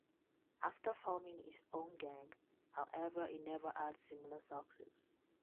After forming his own gang, however, he never had similar success.